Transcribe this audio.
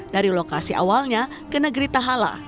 dari lokasi awalnya ke negeri tahala